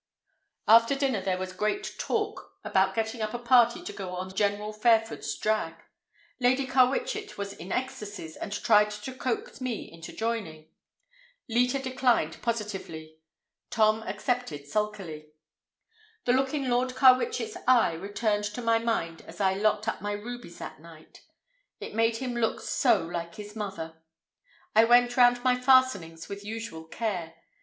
After dinner there was great talk about getting up a party to go on General Fairford's drag. Lady Carwitchet was in ecstasies and tried to coax me into joining. Leta declined positively. Tom accepted sulkily. The look in Lord Carwitchet's eye returned to my mind as I locked up my rubies that night. It made him look so like his mother! I went round my fastenings with unusual care.